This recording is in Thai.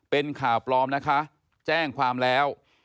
เป็นข่าวปลอมนะคะแจ้งความแล้ว